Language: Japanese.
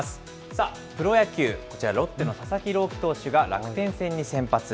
プロ野球、こちらロッテの佐々木朗希投手が楽天戦に先発。